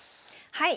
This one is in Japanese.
はい。